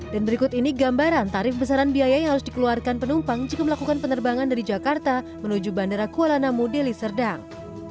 dan berikut ini gambaran tarif besaran biaya yang harus dikeluarkan penumpang jika melakukan penerbangan dari jakarta menuju bandara kuala namu deli serdang